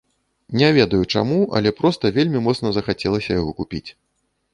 Не ведаю чаму, але проста вельмі моцна захацелася яго купіць.